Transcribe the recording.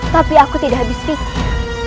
tapi aku tidak habis pikir